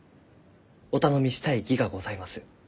お頼みしたい儀がございます。